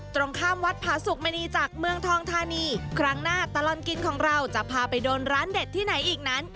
ตรงข้ามวัดผาสุกมณีจากเมืองทองธานีครั้งหน้าตลอดกินของเราจะพาไปโดนร้านเด็ดที่ไหนอีกนั้น